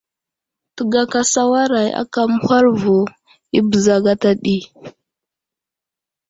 Təgaka sawaray aka məhwal vo i bəza gata ɗi.